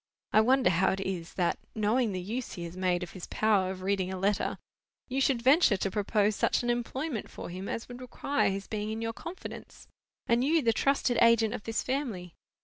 I wonder how it is that, knowing the use he has made of his power of reading a letter, you should venture to propose such an employment for him as would require his being in your confidence, and you the trusted agent of this family.